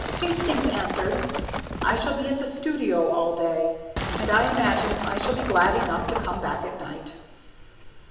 Hastings answered, "I shall be at the studio all day, and I imagine I shall be glad enough to come back at night."